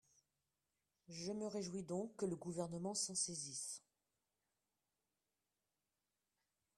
Je me réjouis donc que le Gouvernement s’en saisisse.